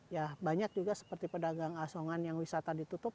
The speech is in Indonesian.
ya banyak juga seperti pedagang asongan yang wisata ditutup